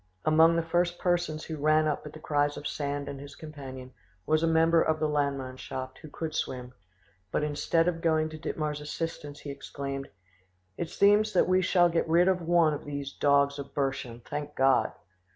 Among the first persons who ran up at the cries of Sand and his companion was a member of the Landmannschaft who could swim, but instead of going to Dittmar's assistance he exclaimed, "It seems that we shall get rid of one of these dogs of Burschen; thank God!"